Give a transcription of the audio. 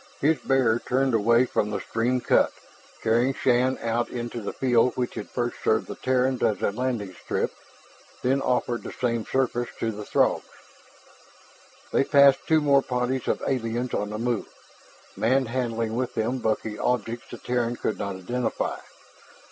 His bearer turned away from the stream cut, carrying Shann out into that field which had first served the Terrans as a landing strip, then offered the same service to the Throgs. They passed two more parties of aliens on the move, manhandling with them bulky objects the Terran could not identify.